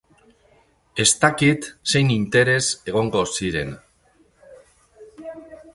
Ez dakit zein interes egongo ziren.